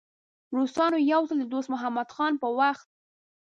روسانو یو ځل د دوست محمد خان په وخت.